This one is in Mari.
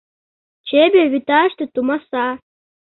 ЧЫВЕ ВӰТАШТЕ ТУМАСА